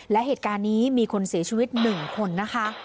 และเหตุการณ์นี้มีคนเสียชีวิต๑คนนะคะ